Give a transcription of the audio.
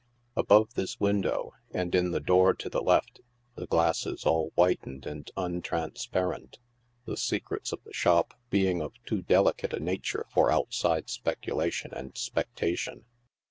Above this window, and in the door to the left, the glass is all whitened and untransparent— the secrets of the shop being of too delicate a nature for outside specu lation and spectation.